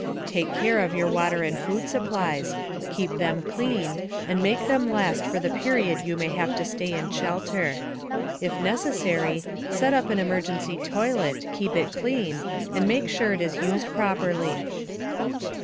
Take care of your water and food supplies, keep them clean, and make them last for the period you may have to stay in shelter. If necessary, set up an emergency toilet, keep it clean, and make sure it is used properly.